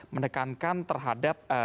yang diperlukan terhadap